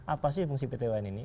apa sih fungsi pt un ini